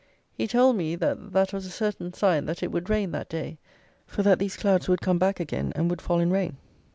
He told me that that was a certain sign that it would rain that day, for that these clouds would come back again, and would fall in rain.